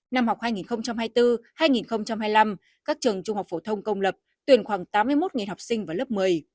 năm học hai nghìn hai mươi bốn hai nghìn hai mươi năm các trường trung học phổ thông công lập tuyển khoảng tám mươi một học sinh vào lớp một mươi